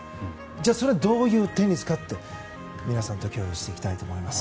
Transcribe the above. じゃあそれはどういうテニスかって皆さんと共有していきたいと思います。